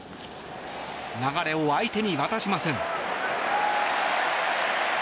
流れを相手に渡しません。